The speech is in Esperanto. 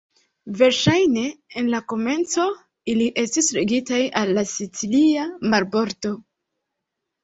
Verŝajne en la komenco ili estis ligitaj al la sicilia marbordo.